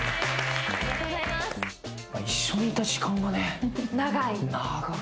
一緒にいた時間がね。